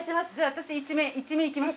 私１面いきます。